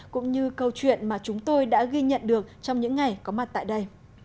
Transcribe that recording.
cũng như câu chuyện mà chúng tôi đã ghi nhận được trong những ngày có mặt tại đây